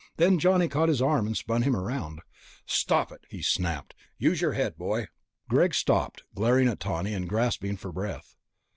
Then Johnny caught his arm and spun him around. "Stop it," he snapped. "Use your head, boy...." Greg stopped, glaring at Tawney and gasping for breath.